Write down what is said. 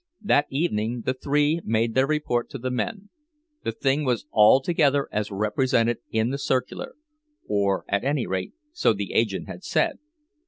That evening the three made their report to the men—the thing was altogether as represented in the circular, or at any rate so the agent had said.